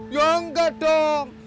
ya enggak dong